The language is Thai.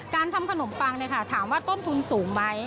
ทำขนมปังถามว่าต้นทุนสูงไหม